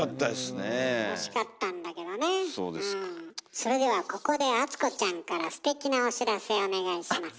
それではここで淳子ちゃんからステキなお知らせお願いします。